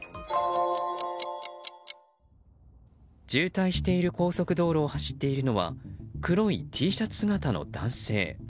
渋滞している高速道路を走っているのは黒いＴシャツ姿の男性。